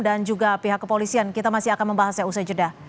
dan juga pihak kepolisian kita masih akan membahasnya usai jeda